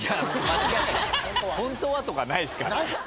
「ホントは」とかないですから。